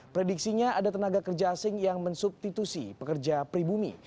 prediksinya ada tenaga kerja asing yang mensubstitusi pekerja pribumi